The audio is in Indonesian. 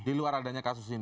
di luar adanya kasus ini